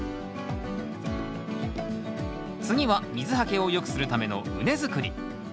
次は水はけを良くするための畝作り。